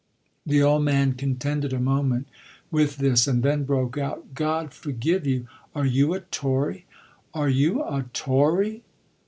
The old man contended a moment with this and then broke out: "God forgive you, are you a Tory, are you a Tory?"